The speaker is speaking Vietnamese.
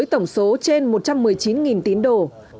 tổng số trên một trăm một mươi chín tín đồ